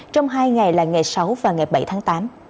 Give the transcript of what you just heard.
trong hai ngày là ngày sáu và ngày bảy tháng tám